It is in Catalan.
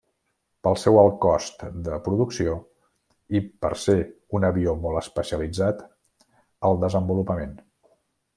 Pel seu alt cost de producció i per ser un avió molt especialitzat al desenvolupament.